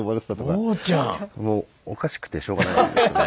もうおかしくてしょうがない。